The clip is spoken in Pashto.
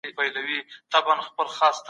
کارګرانو ته ډیره لږه اجوره ورکول کیده.